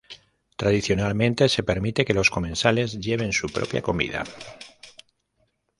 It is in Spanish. Tradicionalmente se permite que los comensales lleven su propia comida.